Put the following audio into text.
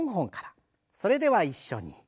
それでは一緒に。